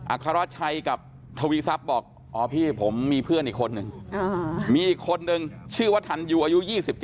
อักษรชัยกับทวีซับบอกอ๋อพี่ผมมีเพื่อนอีกคนนึงมีอีกคนนึงชื่อวัฒนอยู่อายุ๒๗